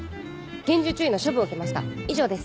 厳重注意の処分を受けました以上です